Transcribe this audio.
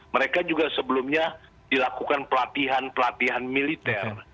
mereka juga sebelumnya dilakukan pelatihan pelatihan militer